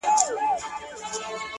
هله سي ختم- په اشاره انتظار-